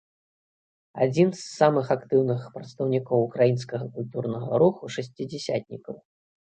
Адзін з самых актыўных прадстаўнікоў украінскага культурнага руху шасцідзясятнікаў.